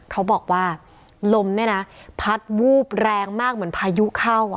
เขาบอกว่าลมเนี่ยนะพัดวูบแรงมากเหมือนพายุเข้าอ่ะ